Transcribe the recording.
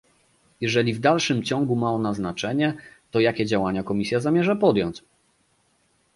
Jeżeli w dalszym ciągu ma ona znaczenie, to jakie działania Komisja zamierza podjąć?